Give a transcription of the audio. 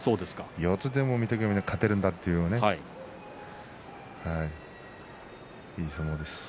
四つでも御嶽海に勝てるんだという相撲です。